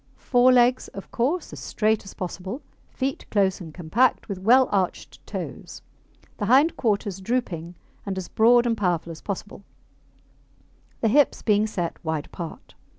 Fore legs, of course, as straight as possible. Feet close and compact, with well arched toes. The hind quarters drooping, and as broad and powerful as possible, the hips being set wide apart.